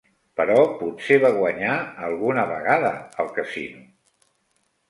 Però potser va guanyar alguna vegada al casino?